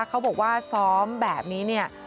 เขาบอกว่าซ้อมแบบนี้เนี่ย